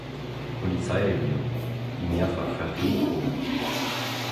Polizeirevier, die mehrfach verfilmt wurde.